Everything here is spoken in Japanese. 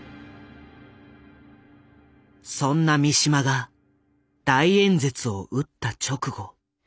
そんな三島が大演説を打った直後。